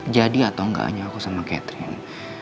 jadi atau enggak hanya aku sama catherine